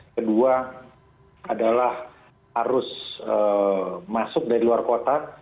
kedua adalah arus masuk dari luar kota